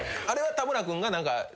あれは田村君が。